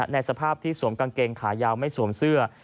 ในสภาพที่สวมกางเกงขายาวไม่สวมเสื้อ